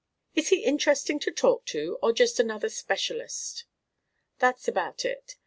"Is he interesting to talk to or just another specialist?" "That's about it.